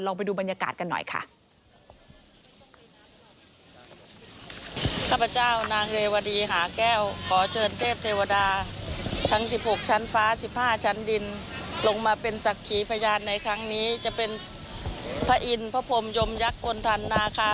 ไปดูบรรยากาศกันหน่อยค่ะ